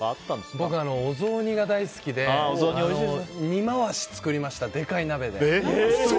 僕、お雑煮が大好きで２回し作りました、でかい鍋で。